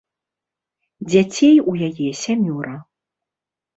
Дзяцей у яе сямёра.